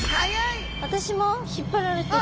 私も引っ張られてる。